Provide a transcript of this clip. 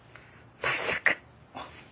まさか。